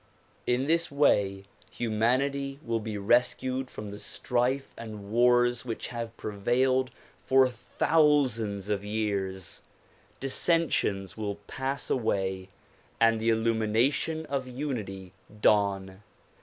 In this way humanity will be rescued from the strife and wars which have prevailed for thousands of years; dissensions will pass away and the illumination of unity dawn.